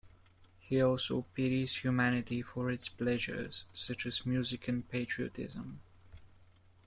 He also pities humanity for its pleasures, such as music and patriotism.